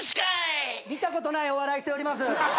見たことないお笑いしております。